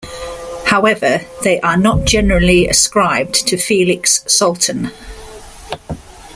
However, they are not generally ascribed to Felix Salten.